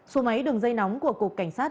số máy đường dây nóng của cục cảnh sát